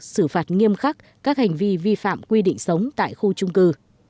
xử phạt nghiêm khắc các hành vi vi phạm quy định sống tại khu trung cư